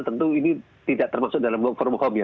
tentu ini tidak termasuk dalam work from home ya